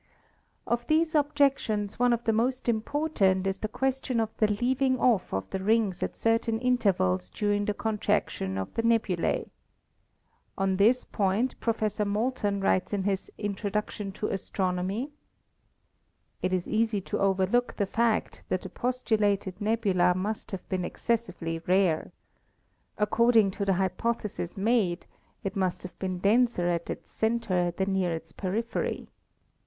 Of these objections one of the most important is the question of the leaving off of the rings at certain intervals during the contraction of the nebulae. On this point Pro COSMOGONY AND STELLAR EVOLUTION 315 fessor Moulton writes in his ''Introduction to Astronomy" : "It is easy to overlook the fact that the postulated nebula must have been excessively rare. According to the hy potheses made, it must have been denser at its center than near its periphery.